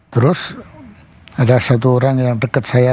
terus ada satu orang yang dekat saya